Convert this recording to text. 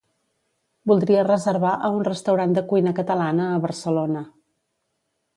Voldria reservar a un restaurant de cuina catalana a Barcelona.